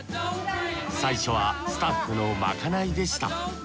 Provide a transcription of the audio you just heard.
最初はスタッフのまかないでした。